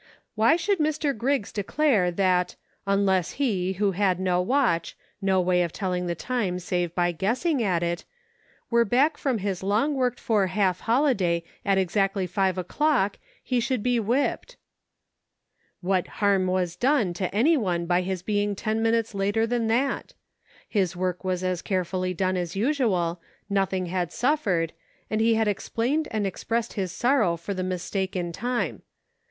Why should Mr. Griggs' declare that, unless he, who had no watch, no way of telling the time save by guessing at it, were back from his long worked for half holiday at exactly five o'clock, he should be whipped ? What harm was done to any one by his being ten min utes later than that ? His work was as carefully done as usual, nothing had suffered, and he had explained and expressed his sorrow for the mis take in time.